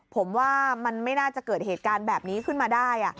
ผมว่ามันไม่น่าจะเกิดเหตุการณ์แบบนี้ขึ้นมาได้